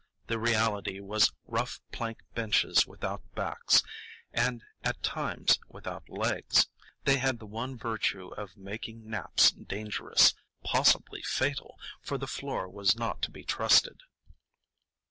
the reality was rough plank benches without backs, and at times without legs. They had the one virtue of making naps dangerous,—possibly fatal, for the floor was not to be trusted.